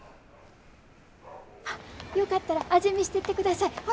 あっよかったら味見してってください。